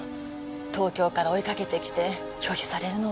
東京から追いかけてきて拒否されるのは。